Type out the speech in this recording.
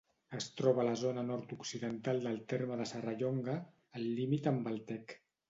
Es troba a la zona nord-occidental del terme de Serrallonga, al límit amb el Tec.